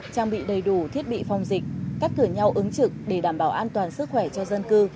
trang bị đầy đủ thiết bị phòng dịch cắt cử nhau ứng trực để đảm bảo an toàn sức khỏe cho dân cư